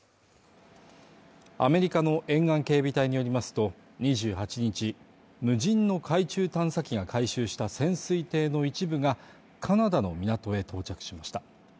アメリカの沿岸警備隊によりますと、２８日、無人の海中探査機が回収した潜水艇の一部が、カナダの港へ到着しました。